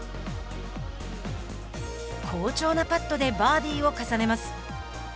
好調なパットでバーディーを重ねます。